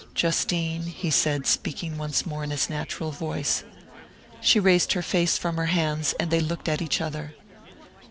"Justine," he said, speaking once more in his natural voice. She raised her face from her hands, and they looked at each other.